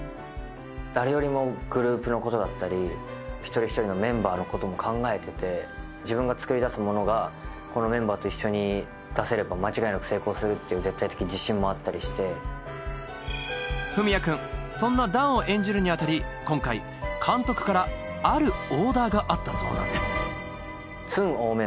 誰よりもグループのことだったり１人１人のメンバーのことも考えてて自分が作り出すものがこのメンバーと一緒に出せれば間違いなく成功するっていう絶対的自信もあったりして文哉君そんな弾を演じるに当たり今回監督からあるオーダーがあったそうなんです